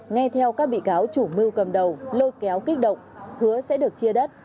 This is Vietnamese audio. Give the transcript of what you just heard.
nghe theo các bị cáo chủ mưu cầm đầu lôi kéo kích động hứa sẽ được chia đất